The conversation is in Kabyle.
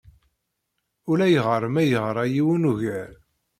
Ulayɣer ma yeɣra yiwen ugar.